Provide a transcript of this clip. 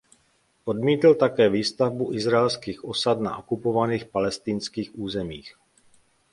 Odmítl také výstavbu izraelských osad na okupovaných palestinských územích.